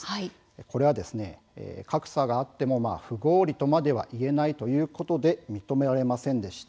これは格差があっても不合理とまでは言えないとして認められませんでした。